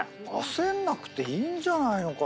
焦んなくていいんじゃないのかな。